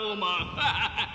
ハハハハ！